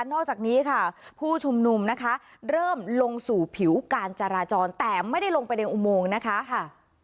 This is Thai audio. นอกจากนี้ค่ะผู้ชุมนุมนะคะเริ่มลงสู่ผิวการจราจรแต่ไม่ได้ลงไปในอุโมงนะคะค่ะ